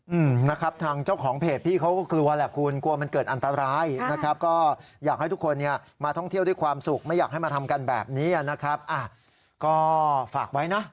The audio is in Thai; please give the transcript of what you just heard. อืมนะครับทางเจ้าของเพจพี่เขาก็กลัวแหละคุณกลัวมันเกิดอันตรายนะครับก็อยากให้ทุกคนเนี่ยมาท่องเที่ยวด้วยความสุขไม่อยากให้มาทำกันแบบนี้นะครับอ่ะก็ฝากไว้นะ